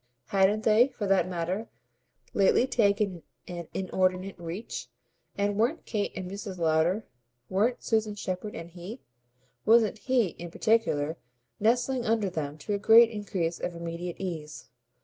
Hadn't they, for that matter, lately taken an inordinate reach, and weren't Kate and Mrs. Lowder, weren't Susan Shepherd and he, wasn't HE in particular, nestling under them to a great increase of immediate ease?